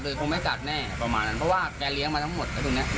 เรายังไม่รู้ใช่มั้ยใช่ครับ